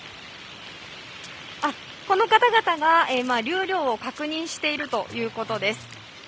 この方々が、流量を確認しているということです。